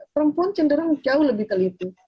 perempuan cenderung jauh lebih teliti